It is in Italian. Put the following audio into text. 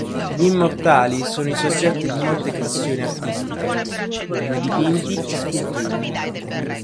Gli Immortali sono i soggetti di molte creazioni artistiche, come dipinti e sculture.